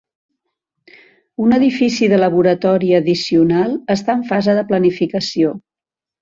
Un edifici de laboratori addicional està en fase de planificació.